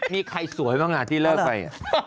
มีใครสวยบ้างที่เลิกไป